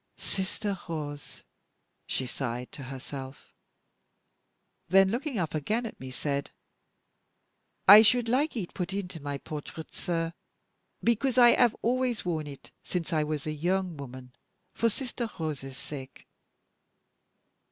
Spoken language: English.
"Sister Rose!" she sighed to herself; then, looking up again at me, said, "I should like it put into my portrait, sir, because I have always worn it since I was a young woman, for 'Sister Rose's' sake."